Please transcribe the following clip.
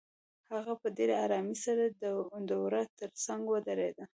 هغه په ډېرې آرامۍ سره د وره تر څنګ ودرېده.